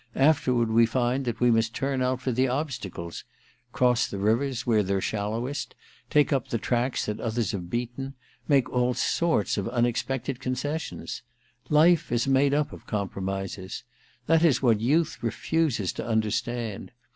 Afterward we find that j we must turn out for the obstacles — cross the rivers where they're shallowest — take the tracks that others have beaten — make all sorts of unexpected concessions. Life is made up of compromises : that is what youth refuses to understand.